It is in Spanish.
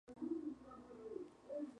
Smith tiene esta posición hasta hoy.